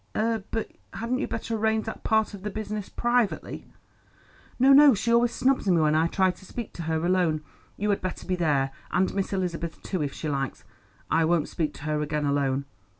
"Eh, but hadn't you better arrange that part of the business privately?" "No, no. She always snubs me when I try to speak to her alone. You had better be there, and Miss Elizabeth too, if she likes. I won't speak to her again alone.